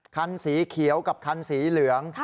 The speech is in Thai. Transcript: คันสีเขียวกับคันสีเหลือง